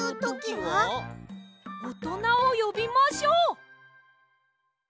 おとなをよびましょう！